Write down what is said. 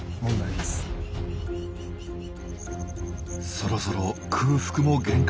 そろそろ空腹も限界。